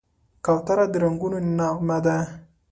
کوتره د رنګونو نغمه ده.